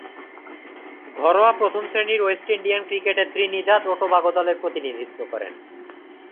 ঘরোয়া প্রথম-শ্রেণীর West Indian ক্রিকেটে ত্রিনিদাদ ও টোবাগো দলের প্রতিনিধিত্ব করেন।